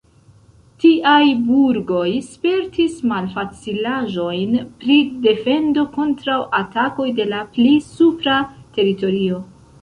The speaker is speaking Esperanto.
Tiaj burgoj spertis malfacilaĵojn pri defendo kontraŭ atakoj de la pli supra teritorio.